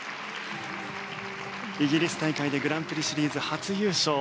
イギリス大会でグランプリシリーズ初優勝。